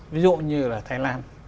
ví dụ như là thái lan